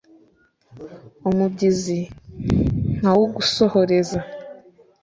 Umubyizi nkawugusohoreza.